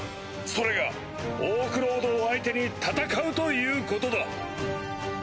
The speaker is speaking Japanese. それがオークロードを相手に戦うということだ。